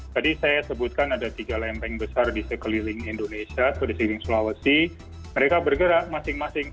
tadi saya sebutkan ada tiga lempeng besar di sekeliling indonesia atau di sekeliling sulawesi mereka bergerak masing masing